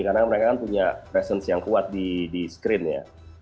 karena mereka kan punya presence yang kuat di screen ya